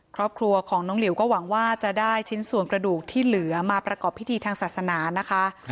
ครอบครัวของน้องหลิวก็หวังว่าจะได้ชิ้นส่วนกระดูกที่เหลือมาประกอบพิธีทางศาสนานะคะ